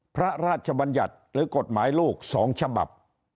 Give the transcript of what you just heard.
พระราชบัญญัติหรือกฎหมายลูก๒ฉบับ